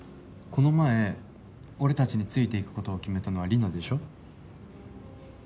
この前俺たちについていくことを決めたのはリナでしょ？